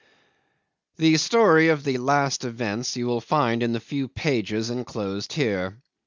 'The story of the last events you will find in the few pages enclosed here.